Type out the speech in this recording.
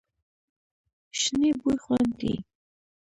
شنې بوی خوند دی.